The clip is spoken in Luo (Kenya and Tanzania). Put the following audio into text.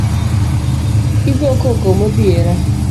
Igokoko modhiera